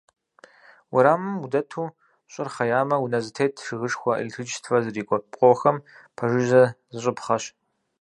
Уэрамым удэту щӏыр хъеямэ, унэ зэтет, жыгышхуэ, электричествэ зрикӏуэ пкъохэм пэжыжьэ зыщӏыпхъэщ.